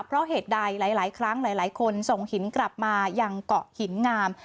เพราะเหตุใดหลายครั้งหลายคนส่งหินกลับมายังเกาะหินงาม